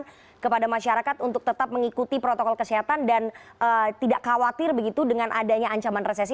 kita berikan kepada masyarakat untuk tetap mengikuti protokol kesehatan dan tidak khawatir begitu dengan adanya ancaman resesi